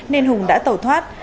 nên hùng đã tẩu thoát